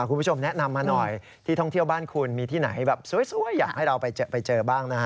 คุณผู้ชมแนะนำมาหน่อยที่ท่องเที่ยวบ้านคุณมีที่ไหนแบบสวยอยากให้เราไปเจอบ้างนะฮะ